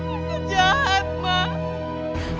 arka jahat mbak